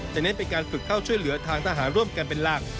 เน้นเป็นการฝึกเข้าช่วยเหลือทางทหารร่วมกันเป็นหลัก